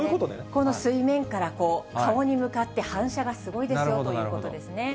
この水面から、顔に向かって反射がすごいですよということですね。